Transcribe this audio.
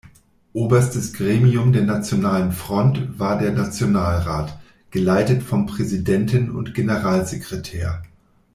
Oberstes Gremium der Nationalen Front war der Nationalrat, geleitet vom Präsidenten und Generalsekretär.